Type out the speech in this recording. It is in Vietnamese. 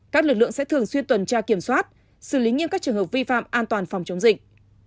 các lực lượng sẽ thường xuyên tuần tra kiểm soát xử lý nghiêm các trường hợp vi phạm an toàn phòng chống dịch